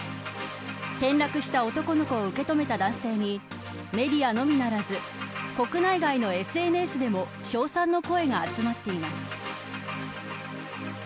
転落した男の子を受けとめた男性にメディアのみならず国内外のＳＮＳでも称賛の声が集まっています。